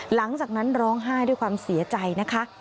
หลังจากนั้นร้องไห้ด้วยความเสียใจนะคะ